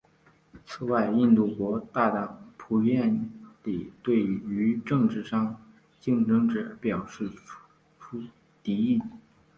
此外印度国大党普遍地对于政治上的竞争者表现出敌意。